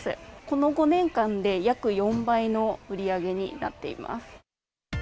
この５年間で約４倍の売り上げになっています。